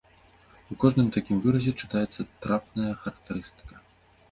У кожным такім выразе чытаецца трапная характарыстыка.